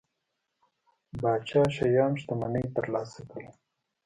پاچا شیام شتمنۍ ترلاسه کړي.